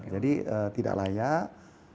jadi tidak layak